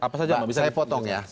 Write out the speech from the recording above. apa saja mbak bisa dipotong ya